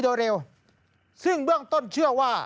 โดยเร็วซึ่งเบื้องต้นเชื่อว่า